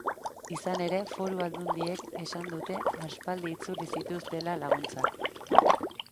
Izan ere, foru aldundiek esan dute aspaldi itzuli zituztela laguntzak.